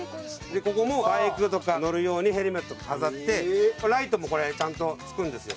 ここもバイクとか乗る用にヘルメット飾ってライトもこれちゃんとつくんですよ。